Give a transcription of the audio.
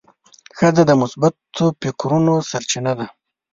ښځه د مثبت فکرونو سرچینه ده.